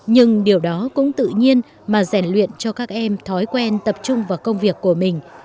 nhưng điều đó cũng tự nhiên mà rèn luyện cho các em thói quen tập trung vào công việc của mình